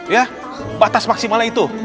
ya batas maksimalnya itu